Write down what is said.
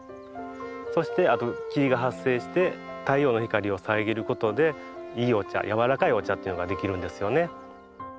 そして霧が発生して太陽の光を遮ることでいいお茶やわらかいお茶というのができるんですよね。